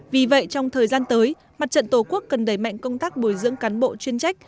vì vậy trong thời gian tới mặt trận tổ quốc cần đẩy mạnh công tác bồi dưỡng cán bộ chuyên trách